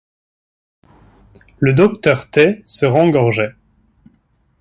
Le docteur T… se rengorgeait.